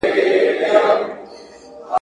خلګ بې له مهارتونو پرمختګ نشي کولای.